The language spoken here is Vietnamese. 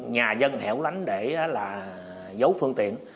nhà dân hẻo lánh để giấu phương tiện